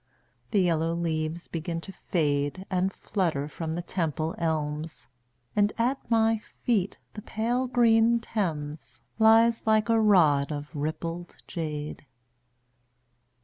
The yellow leaves begin to fade And flutter from the Temple elms, And at my feet the pale green Thames Lies like a rod of rippled jade.